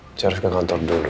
saya harus ke kantor dulu